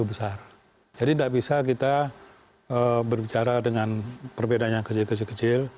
berbicara dengan perbedaan yang kecil kecil